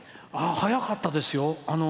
早かったですよ。